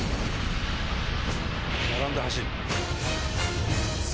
並んで走る。